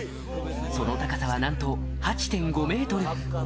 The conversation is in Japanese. その高さはなんと８．５メートル。